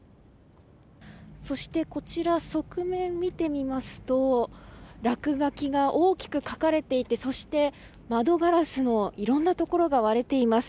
そして、こちら側面見てみますと落書きが大きく書かれていてそして、窓ガラスもいろんなところが割れています。